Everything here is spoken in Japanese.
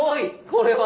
これは。